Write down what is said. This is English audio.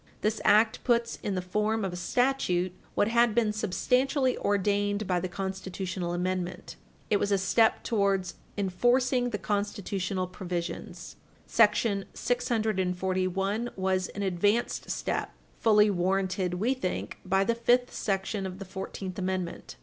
This act puts in the form of a statute what had been substantially ordained by the constitutional amendment. It was a step towards enforcing the constitutional provisions. Sect. 641 was an advanced step, fully warranted, we think, by the fifth section of the Fourteenth Amendment.